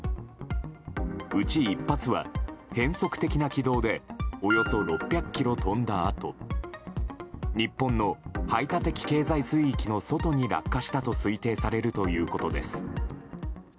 うち１発は、変則的な軌道でおよそ６００ｋｍ飛んだあと日本の排他的経済水域の外に落下したと推定されるということです。